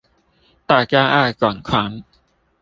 大家愛轉傳